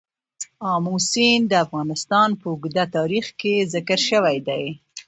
آمو سیند د افغانستان په اوږده تاریخ کې ذکر شوی دی.